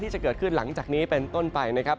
จะเกิดขึ้นหลังจากนี้เป็นต้นไปนะครับ